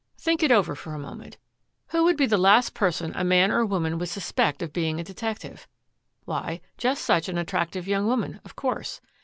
"Think it over for a moment. Who would be the last person a man or woman would suspect of being a detective? Why, just such an attractive young woman, of course.